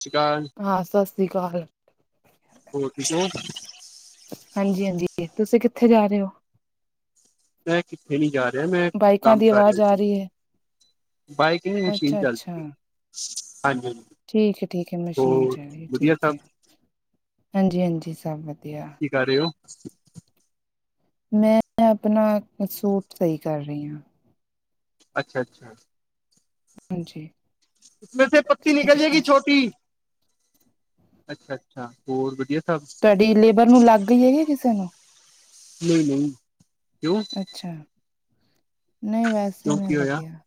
ਛੀਕਾਨ ਹਾਂ, ਸਾਸੀਕਾਲ। ਹੋਰ ਠੀਕ ਓ? ਹਾਂਜੀ-ਹਾਂਜੀ ਵਦੀਆ, ਤੁਸੀਂ ਕਿੱਥੇ ਜਾ ਰੇ ਔ? ਮੈਂ ਕਿੱਥੇ ਨੀ ਜਾ ਰਯਾ, ਮੈਂ ਬਾਈਕਾਂ ਕੰਮ ਦੀ ਕਰ ਰਿਯਾ ਆਵਾਜ਼ ਆ ਸੀ। ਰਹੀ ਬਾਈਕ ਨੀਂ ਹੈ ਮਸ਼ੀਨ ਅੱਛਾ ਅੱਛਾ ਚੱਲਦੀ। ਹਾਂਜੀ-ਹਾਂਜੀ ਠੀਕ ਏ-ਠੀਕ ਏ, ਮਸ਼ੀਨ ਚਲ ਰੀ ਠੀਕ ਏ। ਸਭ ਹਾਂਜੀ-ਹਾਂਜੀ, ਸਭ ਵਦੀਆ ਕਿ ਕਰ ਰੇ ਓ? ਮੈਂ ਆਪਣਾ ਸੂਟ ਸਈ ਕਰ ਰਈ ਆਂ। ਅੱਛਾ- ਅੱਛਾ ਹਾਂਜੀ। ਮੈ ਫੇਰ ਪੱਤੀ ਠੀਕ ਨਿਕਲ ਜੇਗੀ ਹੈ ਛੋਟੀ ਅੱਛਾ-ਅੱਛਾ, ਹੋਰ ਵਦੀਆ ਸਬ? ਬਈ ਲੇਬਰ ਨੂੰ ਲੱਗ ਗਈ ਐ ਯਾ ਕਿਸੇ ਨੂੰ? ਨਈਂ- ਨਈਂ, ਕਿਉਂ? ਅੱਛਾ, ਨਈ ਵੈਸੇ ਮੈਂਨ ਲੱਗਿਆ।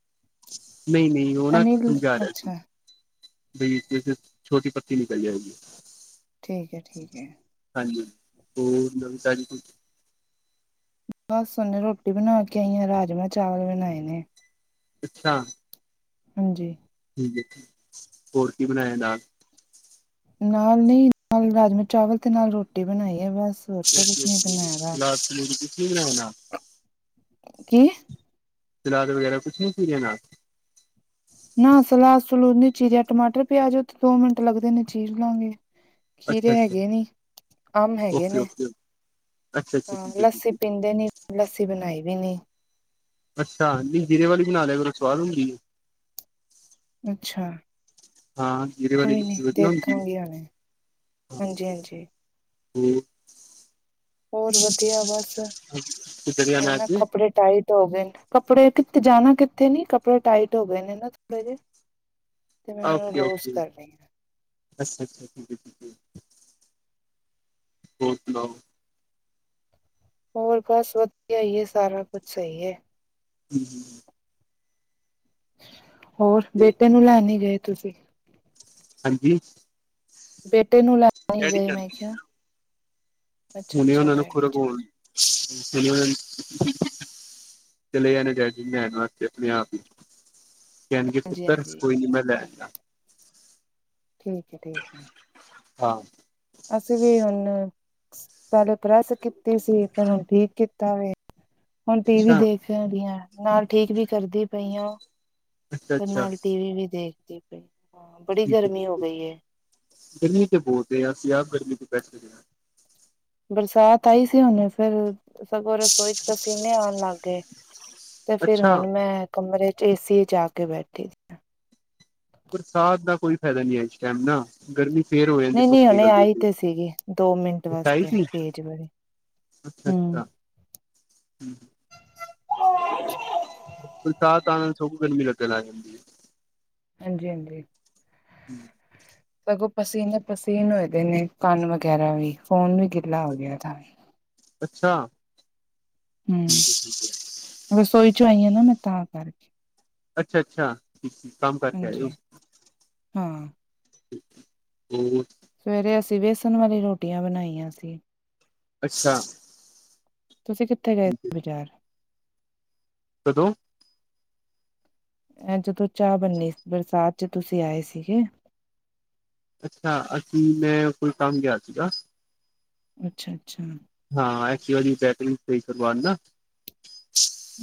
ਨਈ -ਨਈ, ਉ ਨਾ ਅਨਿਲ ਸਮਝਾ ਰਿਹਾ ਸੀ। ਅੱਛਾ ਬਈ ਜੇ ਤੇ ਛੋਟੀ ਪੱਤੀ ਨਿਕਲ ਜਾਏਗੀ ਠੀਕ ਐ- ਠੀਕ ਐ। ਹਾਂਜੀ, ਹੋਰ ਨਵੀਂ ਤਾਜੀ ਕੁੱਝ ਬਸ ਹੋਨੇ ਰੋਟੀ ਬਣਾ ਕੇ ਆਈ ਆ, ਰਾਜਮਾਂ ਚਾਵਲ ਬਣਾਏ ਨੇ ਅੱਛਾ ਹਾਂਜੀ ਠੀਕ ਏ ਜੀ, ਹੋਰ ਕੀ ਬਣਾਇਆ ਨਾਲ? ਨਾਲ ਨਈ, ਨਾਲ ਰਾਜਮ ਚਾਵਲ ਤੇ ਨਾਲ ਰੋਟੀ ਬਨਾਈ ਐ ਬਸ। ਹੋਰ ਤਾਂ ਕੁਛ ਨੀ ਬਣਾਇਆ ਗਾ [unintelligible] ਕੀ? ਸਲਾਦ ਵਗੈਰਾ ਕੁਛ ਨੀ ਚੀਰਿਆ ਨਾਲ? ਨਾ, ਸਲਾਦ-ਸਲੂਦ ਨੀ ਚੀਰਿਆ, ਟਮਾਟਰ ਪਿਆਜ ਉ ਤੇ ਦੋ ਮਿੰਟ ਲੱਗਦੇ ਨੇ ਚੀਰ ਲਾਂਗੀ। ਖੀਰੇ ਅੱਛਾ ਅੱਛਾ ਹੈਗੇ ਨੀ, ਅੰਮ ਹੈਗੇ ਓਕੇ ਨੇ, ਓਕੇ ਅੱਛਾ ਅੱਛਾ ਆਂ ਠੀਕ ਹੈ ਠੀਕ ਲੱਸੀ ਹੈ ਪੀਂਦੇ ਨੀ ਲੱਸੀ ਬਣਾਈ ਵੀ ਨੀ। ਅੱਛਾ, ਨਨੀ ਜੀਰੇ ਵਾਲੀ ਬਣਾ ਲਿਆ ਕਰੋ ਸਵਾਦ ਹੁੰਦੀ ਏ। ਅੱਛਾ ਹਾਂ, ਜੀਰੇ ਵਾਲੀ ਕੋਈ ਨੀ ਲੱਸੀ ਵਧੀਆ ਹੁੰਦੀ ਏ ਦੇਖਾਂਗੇ ਹੁਣੇ ਹਾਂ ਹਾਂਜੀ ਹਾਂਜੀ [unintelligible] ਹੋਰ ਵਧੀਆ ਬਸ। ਕਿੱਧਰ ਇਹ ਜਾਣਾ ਨਾ ਅੱਜ ਕੱਪੜੇ ਟਾਈਟ ਹੋ ਗਏ ਨੇ। ਕੱਪੜੇ, ਕਿਥੇ ਜਾਣਾ ਕਿੱਥੇ ਨੀ, ਕੱਪੜੇ ਟਾਈਟ ਹੋ ਗਏ ਨੇ ਨਾ ਥੋੜੇ ਜਿਹੇ। ਤੇ ਮੈਂ ਉਹਨੂੰ ਲੂਜ ਓਕੇ-ਓਕੇ, ਕਰ ਰਹੀ ਹਾਂ ਅੱਛਾ-ਅੱਛਾ, ਠੀਕ ਏ ਠੀਕ ਏ ਜੀ। ਹੋਰ ਸੁਣਾਓ। ਹੋਰ ਬਸ ਵਧੀਆ ਏ, ਸਾਰਾ ਕੁੱਛ ਸਹੀ ਐ। [inaudible] ਹੋਰ, ਤੇ ਬੇਟੇ ਨੂੰ ਲੈਣ ਨੀ ਗਏ ਤੁਸੀਂ। ਹਾਂਜੀ। ਬੇਟੇ ਨੂੰ ਲੈਣ ਨੀ ਡੈਡੀ ਗਏ, ਮੈਂ ਜਾਂਦੇ ਨੇ ਕਿਹਾ। ਨਾ ਅੱਛਾ ਹੁਣੇ ਅੱਛਾ ਉਹਨਾਂ ਨੂੰ ਡੈਡੀ ਖੁਰਕ ਜਾਣ ਹੋਣ, ਹੁਣੇ ਉਹਨਾਂ ਨੂੰ ਚਲੇ ਜਾਣੇ ਨੇ ਡੈਡ ਜੀ ਲੈਣ ਵਾਸਤੇ ਆਪਣੇ ਆਪ ਹੀ, ਕਹਿਣਗੇ ਹਾਂਜੀ ਪੁੱਤਰ ਹਾਂਜੀ ਕੋਈ ਨੀ ਮੈਂ ਲੈਣ ਨਾ। ਠੀਕ ਐ, ਠੀਕ ਐ। ਹਾਂ। ਅਸੀਂ ਵੀ ਹੁਣ। ਪਹਿਲੇ ਪ੍ਰੱਸ ਕੀਤੀ ਸੀ, ਫਿਰ ਹੁਣ ਠੀਕ ਕੀਤਾ ਵੇ। ਹੁਣ ਟੀ ਵੀ ਅੱਛਾ ਦੇਖ ਦੀਆ ਪਈਆਂ, ਨਾਲ ਠੀਕ ਵੀ ਕਰਦੀ ਪਈ ਆ। ਅੱਛਾ ਪਰ ਅੱਛਾ ਨਾਲ ਟੀ ਠੀਕ ਵੀ ਵੀ ਦੇਖਦੀ ਪਈ। ਹਾਂ, ਬੜੀ ਹੈ ਗਰਮੀ ਹੋ ਠੀਕ ਹੈ ਗਈ ਏ। ਗਰਮੀ ਚ ਬੋਲਦੇ ਹਾਂ, ਅਸੀਂ ਆਪ ਗਰਮੀ ਚ ਬੈਠਦੇ ਹਾਂ। ਬਰਸਾਤ ਆਈ ਸੀ ਹੁਨੇ, ਫੇਰ ਸਗੋਂ ਰਸੋਈ ਚ ਪਸੀਨੇ ਆਣ ਲੱਗ ਗਏ। ਤੇ ਫੇਰ ਅੱਛਾ ਹੁਣ ਮੈਂ ਕਮਰੇ ਚ ਏਸੀ ਚ ਆ ਕੇ ਬੈਠੀ। ਬਰਸਾਤ ਦਾ ਕੋਈ ਫਾਇਦਾ ਨੀ ਐ, ਇਸ ਟਾਈਮ ਨਾ ਗਰਮੀ ਫੇਰ ਹੋ ਜਾਂਦੀ ਨਹੀਂ ਨਹੀਂ ਧੁੱਪ ਹੁਣੇ ਨਿਕਲਦੀ ਏ ਆਈ ਤੇ, ਸੀਗੀ ਦੋ ਮਿੰਟ ਵਾਸਤੇ [unintelligible] ਤੇਜ਼ ਬੜੀ ਹੂੰ, ਅੱਛਾ-ਅੱਛਾ। ਬਸਾਤ ਆਣ ਨਾਲ ਸਗੋਂ ਗਰਮੀ ਲੱਗਣ ਲੱਗ ਜਾਂਦੀ ਐ। ਹਾਂਜੀ-ਹਾਂਜੀ। ਹੂੰ। ਸਗੋਂ ਪਸੀਨੇ ਪਸੀਨ ਹੋਏ ਦੇ ਨੇ, ਕੰਨ ਵਗੈਰਾ ਵੀ ਫ਼ੋਨ ਵੀ ਗਿੱਲਾ ਹੋ ਗਿਆ ਤਾਂ ਵੀ। ਅੱਛਾ। ਹਮ, ਠੀਕ ਹੈ ਠੀਕ ਹੈ, ਰਸੋਈ ਚੋ ਆਈ ਆ ਨਾ ਮੈਂ ਤਾਂ ਕਰਕੇ। ਅੱਛਾ-ਅੱਛਾ, ਕੰਮ ਕਰਕੇ ਆਏ ਓ। ਹਾਂਜੀ ਹਾਂ। [unintelligible] ਸਵੇਰੇ ਅਸੀਂ ਬੇਸਣ ਵਾਲੀ ਰੋਟੀਆਂ ਬਣਾਈਆਂ ਸੀ। ਅੱਛਾ। ਤੁਸੀਂ ਕਿੱਥੇ ਗਏ ਠੀਕ ਹੈ ਸੀ? ਬਾਜ਼ਾਰ ਕਦੋਂ। ਇਹ ਜਦੋਂ ਚਾਹ ਬਣਨੀ, ਬਰਸਾਤ ਚ ਤੁਸੀਂ ਆਏ ਸੀਗੇ। ਅੱਛਾ, ਅਸੀਂ ਮੈਂ ਕੋਈ ਕੰਮ ਗਿਆ ਸੀਗਾ। ਅੱਛਾ-ਅੱਛਾ। ਹਾਂ, ਐਕਟੀਵਾ ਦੀ ਬੈਟਰੀ ਸਹੀ ਕਰਵਾਨ ਨਾ।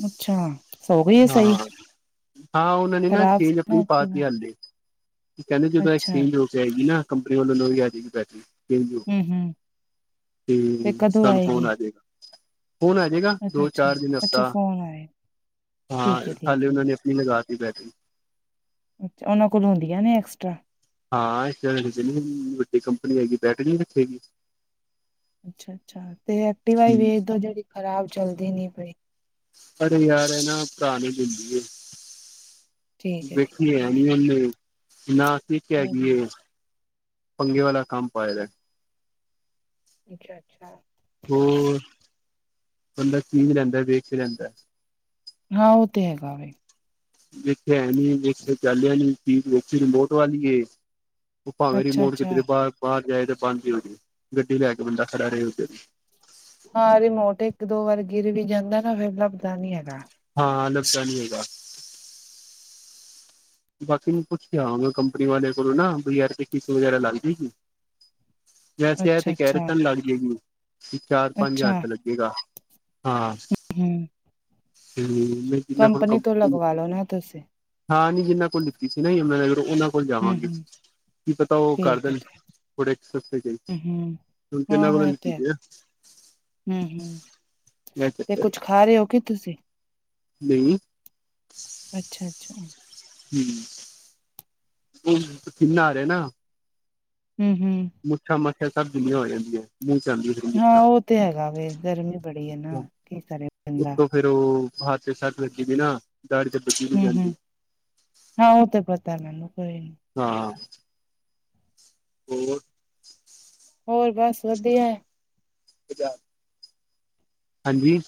ਅੱਛਾ। ਸੋ ਗਈ ਹੈ ਸਹੀ ਹਾਂ, ਹਾਂ ਉਹਨਾਂ ਨੇ ਨਾ ਖ਼ਰਾਬ ਚੇਂਜ ਸੀ ਨਾ ਆਪਣੀ ਐਕਟਿਵਾ ਪਾਤੀ ਹਾਲੇ। ਕਹਿੰਦੇ ਜਦੋਂ ਅੱਛਾ ਐਕਸਚੇਂਜ ਹੋ ਕੇ ਆਏਗੀ ਨਾ, ਕੰਪਨੀ ਵੱਲੋਂ ਨਵੀਂ ਆ ਜਾਏਗੀ ਬੈਟਰੀ। ਹੂੰ ਹੂੰ। ਤੇ ਕਦੋਂ ਤੁਹਾਨੂੰ ਫੋਨ ਆਏਗੀ ਆ ਜਾਏਗਾ। ਫੋਨ ਆ ਜਾਏਗਾ, ਅੱਛਾ ਅੱਛਾ ਦੋ-ਚਾਰ ਦਿਨ ਅੱਛਾ ਹਫਤਾ ਫੋਨ ਆਏ ਹਾਂ, ਠੀਕ ਹੈ ਹਾਲੇ ਠੀਕ ਹੈ। ਉਹਨਾਂ ਨੇ ਆਪਣੀ ਲਗਾਤੀ ਬੈਟਰੀ। ਅੱਛਾ, ਉਹਨਾਂ ਕੋਲੋਂ ਹੁੰਦੀਆਂ ਨੇ ਐਕਸਟਰਾ ਹਾਂ, ਇਹ ਏਨੀ ਵੱਡੀ ਕੰਪਨੀ ਹੈਗੀ ਬੈਟਰੀ ਨੀ ਰੱਖੇਗੀ। ਅੱਛਾ-ਅੱਛਾ, ਤੇ ਐਕਟੀਵਾ ਈ ਵੇਚ ਦੋ ਜਿਹੜੀ ਖਰਾਬ ਚੱਲਦੀ ਨੀ ਪਈ। ਪਰ ਯਾਰ ਇਹ ਨਾ ਪੁਰਾਣੀ ਦਿੰਦੀ ਐ। ਵੇਖੀ ਹੈ ਨੀ ਉਹਨੇ, ਨਾ ਕਿੱਕ ਹੈਗੀ ਏ। ਹੂੰ-ਹੂੰ ਪੰਗੇ ਵਾਲਾ ਕੰਮ ਪਾਇਆ ਦਾ ਅੱਛਾ -ਅੱਛਾ। ਹੋਰ ਬੰਦਾ ਚੀਜ ਲੈਂਦਾ ਵੇਖ ਕੇ ਲੈਂਦਾ। ਹਾਂ ਓ ਤੇ ਹੈਗਾ ਵੇ। ਵੇਖਿਆ ਹੈਨੀ ਵੇਖੇ ਚੱਲਿਆ ਨੀ ਸੀ ਵੇਖੀ ਰਿਮੋਟ ਵਾਲੀ ਏ। ਓ ਭਾਵੇਂ ਰਿਮੋਟ ਅੱਛਾ-ਅੱਛਾ ਕਿਧਰੇ ਬਾ ਬਾਹਰ ਜਾਏ ਤੇ ਬੰਦ ਈ ਹੋਜੇ ਗੱਡੀ ਲੈ ਕੇ ਬੰਦਾ ਖੜਾ ਰਏ ਉਧਰ ਹੀ ਹਾਂ ਰਿਮੋਟ ਇੱਕ ਦੋ ਵਾਰ ਗਿਰ ਵੀ ਜਾਂਦਾ ਨਾ ਫਿਰ ਲੱਭਦਾ ਨੀ ਹੈਗਾ। ਹਾਂ ਨੁਕਸਾਨੀ ਹੈਗਾ। ਬਾਕੀ ਮੈਂ ਪੁੱਛਿਆ ਕੇ ਆਵਾਂ ਮੈਂ ਕੰਪਨੀ ਵਾਲੇ ਕੋਲ ਕਿਸ਼ਤ ਵਗੈਰਾ ਲੱਗਦੀ ਜੇ? ਜੈਸੇ ਹੈ ਤੇ ਅੱਛਾ-ਅੱਛਾ ਕੈਰਟਨ ਲੱਗ ਜਾਏਗੀ ਚਾਰ ਪੰਜ ਹਜ਼ਾਰ ਅੱਛਾ ਤਾਂ ਲੱ ਲੱਗੇਗਾ ਹਾਂ ਹੂੰ [unintelligible] ਜਿਨਾਂ ਕੋਲ ਤੋਂ ਕੰਪਨੀ ਲਗਵਾ ਲੋ ਨਾ ਤੁਸੀਂ ਹਾਂ ਨੀ ਜਿਨਾਂ ਕੋਲ ਲਿੱਤੀ ਸੀ ਨਾ ਯਮੁਨਾਨਗਰ ਓਨਾ ਕੋਲ ਜਾਵਾਂਗੇ ਹੂੰ-ਹੂੰ ਕੀ ਪਤਾ ਓ ਕਰ ਠੀਕ ਹੈ ਦੇਣ ਠੀਕ ਬੜੇ ਸਸਤੇ ਚ ਈ। ਹੂੰ [unintelligible] ਹੂ-ਹੂ ਨਾ ਇਹ ਤੇ ਚੱਕਰ ਕੁੱਛ ਖਾ ਰੇ ਓ ਕੇ ਤੁਸੀਂ? ਨਹੀਂ। ਅੱਛਾ-ਅੱਛਾ। ਹੂ,,,। ਪਸੀਨਾ ਆ ਰਿਆ ਨਾ। ਹੂ-ਹੂ,,, ਮੁੱਛਾਂ ਮੱਛਾਂ ਸਭ ਗਿੱਲੀਆਂ ਹੋ ਜਾਂਦੀਆਂ ਮੂੰਹ ਚ ਆਂਦੀ। ਹਾਂ ਮੁੱਛਾਂ ਓ ਤੇ ਹੈਗਾ ਵੇ ਗਰਮੀ ਬੜੀ ਆ ਨਾ ਕੀ ਕਰੇ ਬੰਦਾ। ਫਿਰ ਓ ਹੱਥ ਤੇ ਸੈਟ ਲੱਗੀ ਵੀ ਨਾ। ਦਾੜੀ ਤੇ ਬੱਜੀ ਨੀ ਹੂ-ਹੂ,,, ਜਾਂਦੀ ਹਾਂ ਓ ਤੇ ਪਤਾ ਮੈਨੂੰ ਕੋਈ ਨੀ। ਹਾਂ ਹੋਰ? ਹੋਰ ਬਸ ਵਧੀਆ ਹੈ। ਬਜ਼ਾਰ ਹਾਂਜੀ।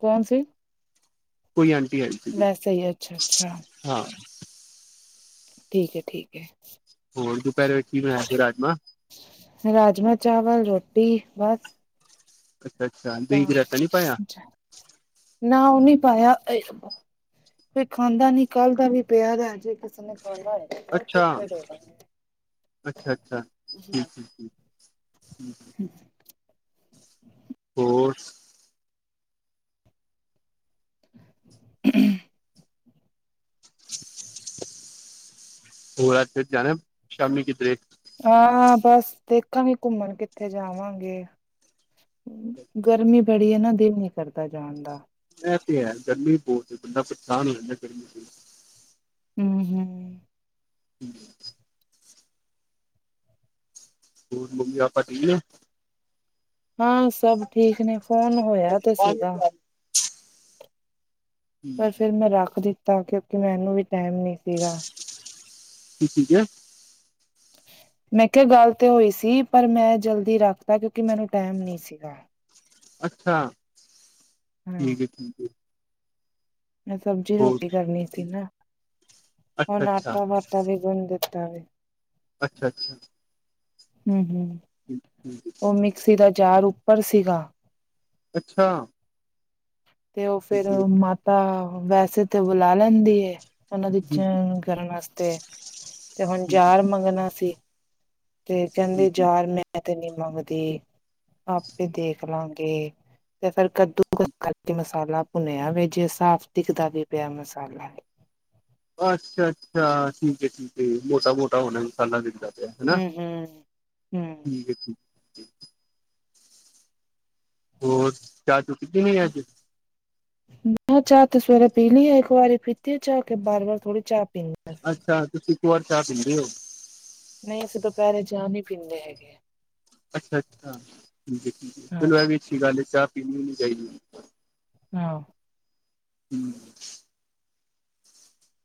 ਕੌਣ ਸੀ? ਕੋਈ ਆਂਟੀ ਆਈ। ਸੀਗੀ ਵੈਸੇ ਵੀ ਅੱਛਾ-ਅੱਛਾ। ਹਾਂ। ਠੀਕ ਐ ਠੀਕ ਐ ਹੋਰ ਦੁਪਹਿਰੇ ਕੀ ਬਣਾਇਆ ਸੀ ਰਾਜਮਾ? ਰਾਜਮਾ-ਚਾਵਲ ਰੋਟੀ ਬਸ। ਅੱਛਾ-ਅੱਛਾ ਦਹੀ ਤਾਂ ਚ ਰੈਤਾ ਨੀ ਪਾਇਆ? ਨਾ ਉਨੇ ਪਾਇਆ। ਫਿਰ ਖਾਂਦਾ ਨੀ ਕੱਲ ਦਾ ਵੀ ਪਿਆ ਰੈਜੇ ਕਿਸੇ ਨੇ ਖਾਂਦਾ ਨੀ। ਅੱਛਾ-ਅੱਛਾ-ਅੱਛਾ। [unintelligible] [inaudible] ਹੋਰ? [unintelligible] ਹੋਰ ਅੱਜ ਫਿਰ ਜਾਣਾ ਸ਼ਾਮੀ ਕਿਤੇ? ਹਾਂ ਬਸ ਦੇਖਾਂਗੀ ਘੁੰਮਣ ਕਿੱਥੇ ਜਾਵਾਂਗੇ? ਗਰਮੀ ਬੜੀ ਐ ਨਾ ਦਿਲ ਨੀ ਕਰਦਾ ਜਾਣ ਦਾ। ਐ ਤੇ ਹੈ ਗਰਮੀ ਬਹੁਤ ਬੰਦਾ ਪਰੇਸ਼ਾਨ ਹੋ ਜਾਂਦਾ ਗਰਮੀ ਬ ਹੂ-ਹੂ,,, ਹੂ,,, ਹੋਰ ਮੰਮੀ-ਪਾਪਾ ਠੀਕ ਨੇ? ਹਾਂ ਸਭ ਠੀਕ ਨੇ ਫੋਨ ਹੋਇਆ ਤੇ ਸੀਗਾ। ਪਰ ਫਿਰ ਮੈਂ ਰੱਖ ਦਿੱਤਾ ਕਿਉਂਕਿ ਮੈਨੂੰ ਵੀ ਟੈਮ ਨੀ ਸੀਗਾ। ਤੂੰ ਠੀਕ ਹੈ? ਮੈਂ ਕਿਹਾ ਗੱਲ ਤੇ ਹੋਈ ਸੀ ਪਰ ਮੈਂ ਜਲਦੀ ਰੱਖ ਤਾ ਕਿਉਂਕਿ ਮੈਨੂੰ ਟਾਈਮ ਨਹੀਂ ਸੀਗਾ। ਅੱਛਾ ਹਾਂ ਠੀਕ ਏ ਠੀਕ ਏ ਮੈਂ ਸਬਜ਼ੀ ਰੋਟੀ ਕਰਨੀ ਸੀ ਨਾ ਅੱਛਾ ਹੁਣ ਅੱਛਾ ਆਟਾ -ਵਾਟਾ ਵੀ ਗੁਨ ਦਿੱਤਾ ਵੇ। ਅੱਛਾ-ਅੱਛਾ ਹਮ-ਹਮ [unintelligible] [inaudible] ਸੀ ਦਾ ਜਾਰ ਉੱਪਰ ਸੀਗਾ ਅੱਛਾ! ! ਤੇ ਉਹ ਫਿਰ ਮਾਤਾ ਵੈਸੇ ਤੇ ਬੁਲਾ ਲੈਂਦੀ ਹੈ ਉਹਨਾਂ ਦੀ ਚਣ [inaudible] ਕਰਨ ਲੱਗ ਪਏ ਤੇ ਹੁਣ ਜਾਰ ਮੰਗਣਾ ਸੀ ਤੇ ਹੈ ਕਹਿੰਦੇ ਜਾਰ ਮ ਮੈਂ ਤੇ ਨਹੀਂ ਮੰਗਦੀ ਆਪੇ ਦੇਖ ਲਾਂਗੇ ਤੇ ਫੇਰ ਕੱਦ ਤੇ ਮਸਾਲਾ ਭੁਨਿਆ ਵਿੱਚ ਸਾਫ ਦਿੱਖਦਾ ਵੀ ਪਿਆ ਮਸਾਲਾ। ਅੱਛਾ-ਅੱਛਾ ਠੀਕ ਹੈ ਠੀਕ ਹੈ ਜੀ ਮੋਟਾ-ਮੋਟਾ ਹੋਣਾ [inaudible] ਤੇ ਹਨਾ ਹੂੰ-ਹੂੰ-ਹੂੰ ਠੀਕ ਹੈ ਠੀਕ ਹੈ, ਹੋਰ ਚਾਹ ਚੂ ਪੀਤੀ ਨਹੀਂ ਅੱਜ? ਮੈਂ ਚਾਹ ਤੇ ਸਵੇਰੇ ਪੀ ਲਈਏ ਇੱਕ ਵਾਰੀ ਪੀਤੀ ਚਾਹ ਕੇ ਬਾਰ ਵਾਰ ਥੋੜੀ ਚਾਹ ਪੀਂਦੇ ਅਸੀਂ। ਅੱਛਾ ਤੁਸੀਂ ਇੱਕ ਵਾਰ ਚਾਹ ਪੀਂਦੇ ਹੋ। ਨਹੀਂ ਅਸੀਂ ਦੁਪਹਿਰੇ ਚਾਹ ਨੀ ਪੀਂਦੇ ਹੈਗੇ। ਅੱਛਾ-ਅੱਛਾ ਠੀਕ ਹੈ ਠੀਕ ਹੈ ਚਲੋ ਇਹ ਵੀ ਅੱਛੀ ਗੱਲ ਹੈ ਚਾਹ ਪੀਣੀ ਵੀ ਨਹੀਂ ਚਾਹੀਦੀ। ਹਾਂ- ਹਮ-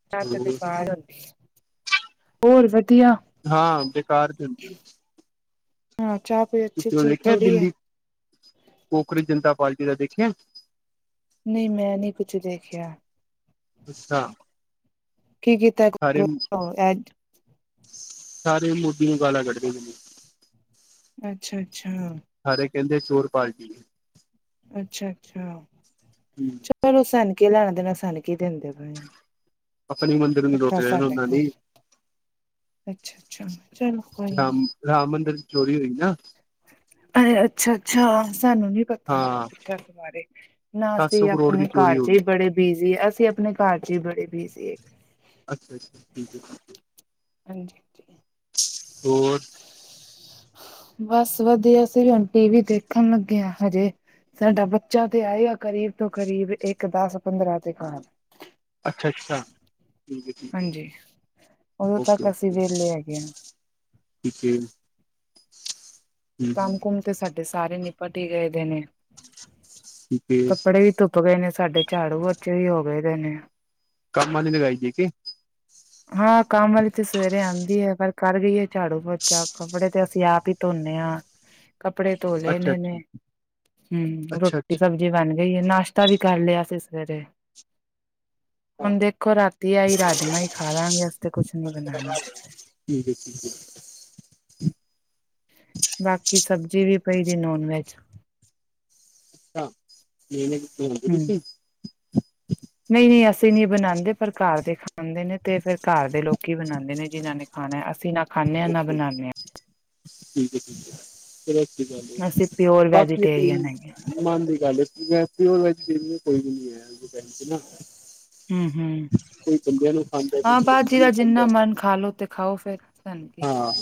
[unintelligible] ਚਾਹ ਤੇ ਹੋਰ ਬੇਕਾਰ ਹੁੰਦੀ ਹੈ ਹੋਰ ਵਦੀਆ - ਹਾਂ ਬੇਕਾਰ ਤੇ ਹੁੰਦੀ ਹੈ। ਹਾਂ ਚਾਹ ਕੋਈ ਅੱਛੀ ਚੀਜ਼ ਥੋੜੀ ਹੈ। ਕੋਕਰੇਚ ਜਨਤਾ ਪਾਰਟੀ ਦਾ ਦੇਖੀਆ? ਨਹੀਂ ਮੈਂ ਨੀ ਕੁਛ ਦੇਖਿਆ। ਅੱਛਾ ਸਾਰੇ [unintelligible] [inaudible] ਸਾਰੇ ਹੀ ਮੋਦੀ ਨੂੰ ਗਾਲਾਂ ਕੱਢਦੇ ਅੱਛਾ-ਅੱਛਾ ਸਾਰੇ ਕਹਿੰਦੇ ਚੋਰ ਪਾਲਟੀ ਹੈ। ਅੱਛਾ-ਅੱਛਾ ਹਮ ਚਲੋ ਸਾਨੂੰ ਕੀ ਲੈਣਾ ਦੇਣਾ ਸਾਨੂੰ ਕੀ ਦਿੰਦੇ ਪਏ ਨੇ। ਆਪਣੇ ਮੰਦਿਰ ਨੂੰ ਪੁੱਠਾ ਰੋਟੀ ਦੇਣ ਸਾਡੇ ਉਹਨਾਂ ਕੋਲ ਲਈ। [inaudible] ਅੱਛਾ-ਅੱਛਾ ਚਲੋ ਕੋਈ ਨੀ- ਰਾਮ ਰਾਮ ਮੰਦਿਰ ਚੋਰੀ ਹੋਈ ਨਾ ਅ ਅੱਛਾ-ਅੱਛਾ ਸਾਨੂੰ ਨੀ ਪਤਾ ਹੈਗਾ ਹਾਂ ਪੁੱਛ ਇਸ ਬਾਰੇ ਨਾ ਸੱਤ ਸੌ ਅਸੀਂ ਕਰੋੜ ਦੀ ਆਪਣੇ ਚੋਰੀ ਘਰ ਹੋ ਚ ਗਈ ਹੀ ਬੜੇ ਬਿਜੀ ਅਸੀਂ ਆਪਣੇ ਘਰ ਚ ਹੀ ਬੜੇ ਬਿਜੀ ਹੈਗੇ ਅੱਛਾ-ਅੱਛਾ ਠੀਕ ਹੈ ਠੀਕ ਹੈ। ਹਾਂਜੀ ਹੋਰ? ਬਸ ਵਧੀਆ ਅਸੀਂ ਵੀ ਹੁਣ ਟੀ ਵੀ ਦੇਖਣ ਲੱਗੇ ਹਾਂ ਹਜੇ ਸਾਡਾ ਬੱਚਾ ਤੇ ਆਏਆ ਕਰੀਬ ਤੋਂ ਕਰੀਬ ਇੱਕ ਦਸ ਪੰਦਰਾਂ ਦੇ ਘਰ। ਅੱਛਾ-ਅੱਛਾ। [inaudible] ਹਾਂਜੀ ਉਦੋਂ ਤੱਕ ਓਕੇ ਅਸੀਂ ਵਿਹਲੇ ਹੈਗੇ ਹਾਂ। ਠੀਕ ਏ। ਕੰਮ ਘੁੰਮ ਤੇ ਸਾਡੇ ਸਾਰੇ ਨਿਪਟ ਹੀ ਗਏ ਦੇ ਨੇ ਠੀਕ ਹੈ ਕੱਪੜੇ ਵੀ ਧੁੱਪ ਉੁ ਗਏ ਨੇ ਸਾਡੇ ਝਾੜੂ ਵੋਚੇ ਵੀ ਹੋਗੇ ਦੇ ਨੇ ਕੰਮਾਂ ਵਾਲੀ ਲਗਾਈ ਜਏ ਕਿ ਹਾਂ ਕੰਮ ਵਾਲੀ ਤੇ ਸਵੇਰੇ ਆਉਂਦੀ ਹੈ, ਪਰ ਕਰ ਗਈ ਹੈ ਝਾੜੂ ਪੋਚਾ ਕੱਪੜੇ, ਤੇ ਅਸੀਂ ਆਪ ਹੀ ਧੋਨੇ ਹਾਂ ਕੱਪੜੇ ਧੋ ਅੱਛਾ ਲੈਣੇ ਅੱਛਾ ਨੇ ਹਮ ਅੱਛਾ ਰੋਟੀ ਅੱਛਾ ਸਬਜ਼ ਜੀ਼ ਬਣ ਗਈ ਹੈ ਨਾਸ਼ਤਾ ਵੀ ਕਰ ਲਿਆ ਸੀ ਸਵੇਰੇ ਹਾਂ ਹੁਣ ਦੇਖੋ ਰਾਤੀ ਆਈ ਰਾਜਮਾ ਹੀ। ਖਾ ਲਾਂ ਗੇ ਵਾਸਤੇ ਕੁਛ ਨੀ ਬਣਾਉਣਾ ਠੀਕ ਹੈ ਠੀਕ ਹੈ ਬਾਕੀ ਸਬਜ਼ੀ ਵੀ ਪਈ ਦੀ ਨੋਨ ਵੈਜ ਅੱਛਾ ਮਹੀਨੇ ਕਿ ਦੋ ਹਗੇ ਹਮ ਠੀ ਨਹੀਂ ਨਹੀਂ ਅਸੀਂ ਨਹੀਂ ਬਣਾਉਂਦੇ ਪਰ ਘਰ ਦੇ ਖ ਖਦੇ ਨੇ ਤੇ ਫਿਰ ਘਰ ਦੇ ਲੋਕੀ ਹੀ ਬਣਾਉਂਦੇ ਨੇ ਜਿਹਨਾਂ ਨੇ ਖਾਣਾ ਅਸੀਂ ਨਾ ਖਾਂਦੇ ਹਾਂ ਨਾ ਓਕੇ ਬਣਾਉਂਦੇ ਹਾਂ ਠੀਕ ਠੀਕ ਹੈ ਚ ਸ ਸ਼੍ਰੀ ਅਕਾਲ ਹਾਂ ਅਸੀਂ ਜੀ ਪਿਓਰ ਵੈਜੀਟੇਰੀਅਨ ਹੈਗੇ ਬਾਕੀ ਮਨ ਦੀ ਗੱਲਓ ਵੈ ਕੋਈ ਵੀ ਨ ਹਮ ਹਮ ਖਾਂਦਾ ਕੋਈ ਹਾਂ ਜਨਾਨੀਆਂ ਬਾਜੀ ਨੂੰ ਦਾ ਜਿੰਨਾ ਖਾਂਦਾ ਮਨ ਖਾਾਲੋ ਤੇ ਖਾਓ ਫੇਰ ਧਾਨਕੇ, ਹਾਂ